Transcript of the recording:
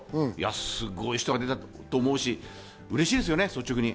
すごい人が出たと思うし、嬉しいですね、率直に。